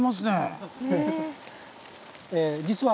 実は